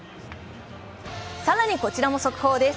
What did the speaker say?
更にこちらも速報です。